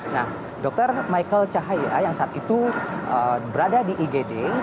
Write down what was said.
nah dr michael cahaya yang saat itu berada di igd